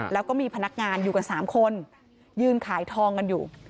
แล้วก็มีพนักงานอยู่กัน๓คนยืนขายทองกันอยู่